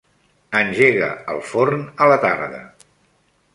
Engega el forn a la tarda.